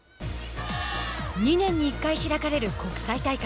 ２年に１回開かれる国際大会。